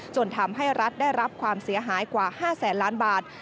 จนทำให้รัฐได้รับความเสียหายกว่า๕แสนล้านบาท